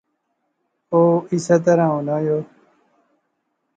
او اسے طرح ہونا یو